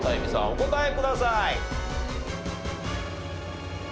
お答えください。